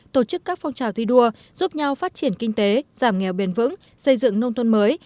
tổ chức các phong trào thi đua giúp nhau phát triển kinh tế giảm nghèo bền vững xây dựng nông thôn mới